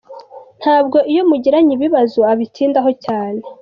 Ntabwo iyo mugiranye ibibazo abitindaho cyane.